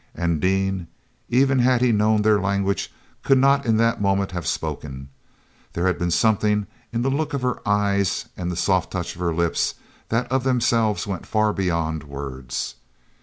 And Dean, even had he known their language, could not in that moment have spoken. There had been something in the look of her eyes and the soft touch of her lips that of themselves went far beyond words.